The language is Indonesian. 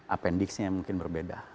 apendixnya mungkin berbeda